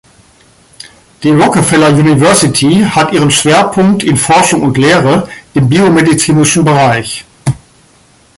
Die Rockefeller University hat ihren Schwerpunkt in Forschung und Lehre im biomedizinischen Bereich.